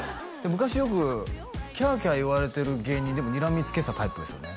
昔よくキャーキャー言われてる芸人でもにらみつけてたタイプですよね？